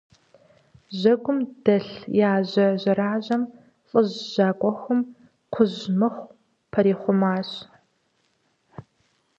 Жьэгум дэлъ яжьэ жьэражьэм лӏыжь жьакӏэхум кхъужь мыхъу пэрихъумащ.